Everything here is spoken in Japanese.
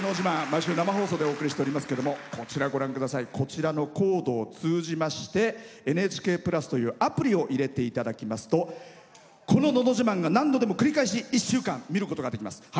毎週、生放送でお送りしておりますけどこちらのコードを通じまして「ＮＨＫプラス」というアプリを入れていただきますとこの「のど自慢」が何度でも繰り返し１週間見ることができます。